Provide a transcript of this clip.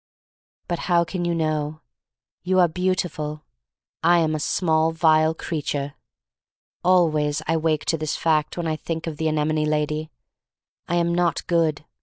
"But how can you know? "You are beautiful. I am a small, vile creature. 'Always I awake to this fac^ when I think of the anemone lady. I am not good.